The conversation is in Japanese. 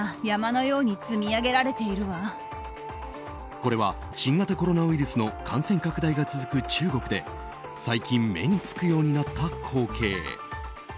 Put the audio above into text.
これは新型コロナウイルスの感染拡大が続く中国で最近目につくようになった光景。